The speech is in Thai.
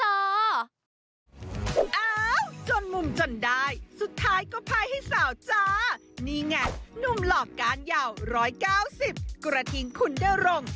อ้าวจนมุมจนได้สุดท้ายก็ภายให้สาวจ๋อนี่ไงหนุ่มหลอกการยาวร้อยเก้าสิบกระทิงคุณนรงค์